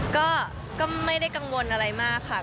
ก็ไม่ได้กังวลอะไรมากค่ะ